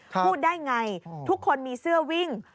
พูดได้ไงทุกคนมีเสื้อวิ่ง